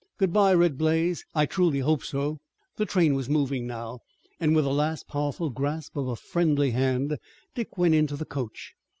"Good bye, Red Blaze. I truly hope so." The train was moving now and with a last powerful grasp of a friendly hand Dick went into the coach.